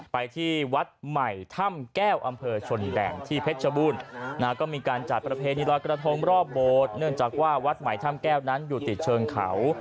ไปที่วัดใหม่ถ้ำแก้วอำเภอชนแดนที่เพชรชบูรณ์ก็มีการจัดประเพณีรอยกระทงรอบโบสถ์เนื่องจากว่าวัดใหม่ถ้ำแก้วนั้นอยู่ติดเชิงเขา